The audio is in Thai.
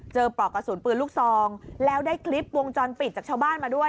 ปลอกกระสุนปืนลูกซองแล้วได้คลิปวงจรปิดจากชาวบ้านมาด้วย